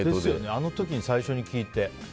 あの時に最初に聞いて。